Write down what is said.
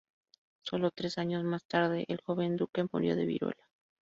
Solo tres años más tarde, el joven duque murió de viruela.